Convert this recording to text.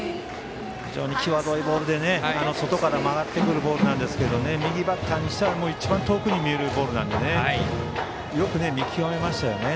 非常に際どいボールで外から曲がってくるボールなんですけど右バッターにしては一番遠くに見えるボールなんでね。